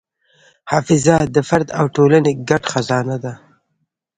حافظه د فرد او ټولنې ګډ خزانه ده.